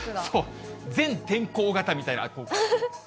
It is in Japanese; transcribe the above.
そう、全天候型みたいな。